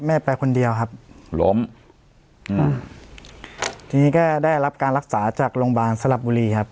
ไปคนเดียวครับล้มอืมทีนี้ก็ได้รับการรักษาจากโรงพยาบาลสลับบุรีครับ